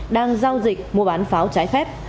đang giao dịch mua bán pháo trái phép